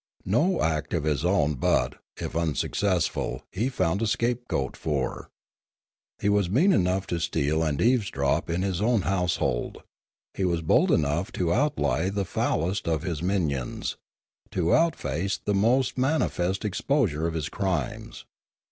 No act of his own but, if unsuccessful, he found a scapegoat for. He was mean enough to steal and eavesdrop in his own house hold; he was bold enough to outlie the foulest of his minions, to outface the most manifest exposure of his crimes.